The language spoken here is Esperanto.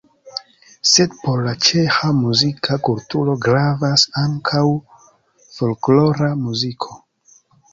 Sed por la ĉeĥa muzika kulturo gravas ankaŭ folklora muziko.